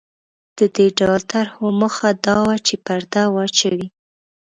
د دې ډول طرحو موخه دا وه چې پرده واچوي.